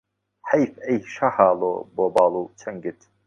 حەیف ئەی شاهەڵۆ بۆ باڵ و چەنگت